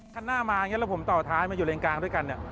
ขั้นหน้ามาผมต่อท้ายมาอยู่เล็งกลางด้วยกันเนี่ย